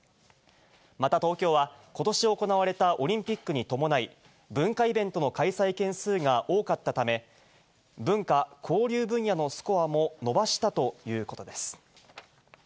また東京は、ことし行われたオリンピックに伴い、文化イベントの開催件数が多かったため、文化・交流分野のスコアも伸ばしたということです。